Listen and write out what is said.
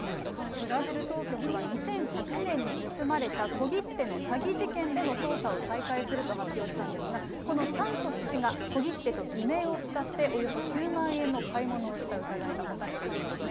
ブラジル当局は２００８年に盗まれた小切手の詐欺事件での捜査を再開すると発表したんですが、このサントス氏が小切手と偽名を使って、およそ９万円の買い物をした疑いが持たれてるんですね。